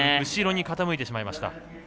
後ろに傾いてしまいました。